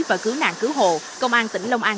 và cứu nạn cứu hộ công an tỉnh long an